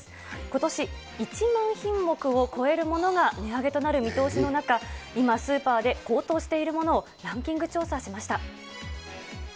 ことし、１万品目を超えるものが値上げとなる見通しの中、今、スーパーで高騰しているものをランキング調査しました。